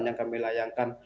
yang kami layankan